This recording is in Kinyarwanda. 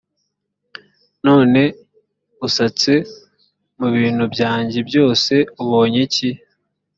none usatse mu bintu byanjye byose ubonye iki